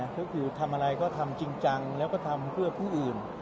ก็คือทำอะไรก็ทำจริงจังแล้วก็ทำเพื่อผู้อื่น